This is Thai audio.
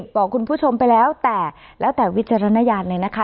บอกคุณผู้ชมไปแล้วแต่แล้วแต่วิจารณญาณเลยนะคะ